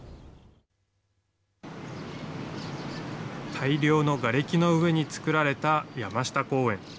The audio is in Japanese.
大量のがれきの上に造られた山下公園。